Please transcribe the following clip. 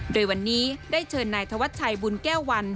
โดยวันนี้ได้เชิญนายธวัชชัยบุญแก้ววัน